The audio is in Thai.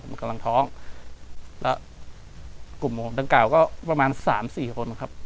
กลับมาที่สุดท้ายและกลับมาที่สุดท้าย